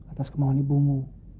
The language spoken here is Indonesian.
atas kemauan ibumu